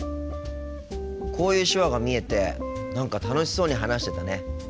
こういう手話が見えて何か楽しそうに話してたね。